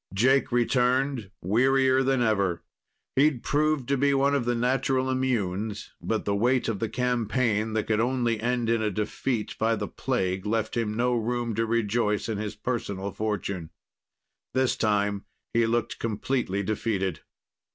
Jake returned, wearier than ever. He'd proved to be one of the natural immunes, but the weight of the campaign that could only end in a defeat by the plague left him no room to rejoice in his personal fortune. This time he looked completely defeated.